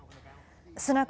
スナク